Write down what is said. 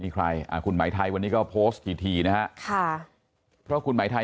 นี่ใครคุณไหมไทยวันนี้ก็โพสต์กี่ทีนะคะเพราะคุณไหมไทย